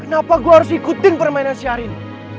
kenapa gue harus ikutin permainan si rin